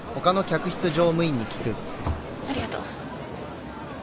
ありがとう。